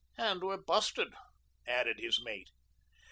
"And we're busted," added his mate.